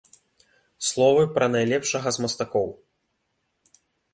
Словы пра найлепшага з мастакоў.